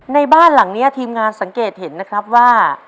ในบ้านหลังนี้ทีมงานสังเกตเห็นนะครับว่า